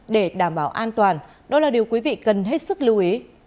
để đảm bảo an toàn đó là điều quý vị cần hết sức lưu ý